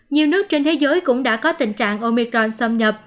nhiều nước trên thế giới cũng đã có tình trạng omicron xâm nhập